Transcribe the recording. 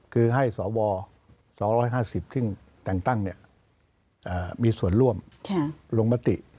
คือให้สว๒๕๐ซึ่งแต่งตั้งมีส่วนร่วมลงมติ